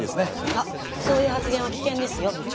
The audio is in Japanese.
あっそういう発言は危険ですよ部長。